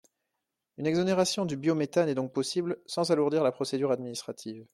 Une exonération du biométhane est donc possible sans alourdir la procédure administrative.